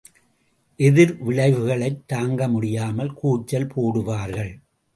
எதிர்விளைவுகளைத் தாங்கமுடியாமல் கூச்சல் போடுவார்கள்!